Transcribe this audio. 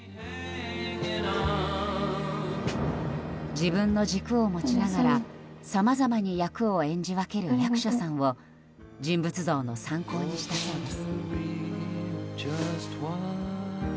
自分の軸を持ちながらさまざまに役を演じ分ける役所さんを人物像の参考にしたそうです。